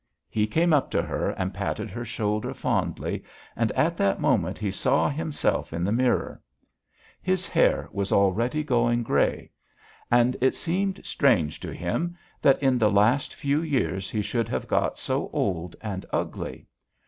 He came up to her and patted her shoulder fondly and at that moment he saw himself in the mirror. His hair was already going grey. And it seemed strange to him that in the last few years he should have got so old and ugly.